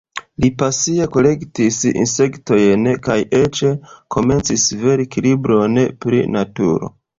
Li pasie kolektis insektojn kaj eĉ komencis verki libron pri naturo.